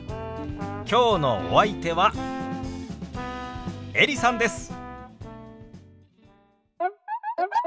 きょうのお相手はエリさんです。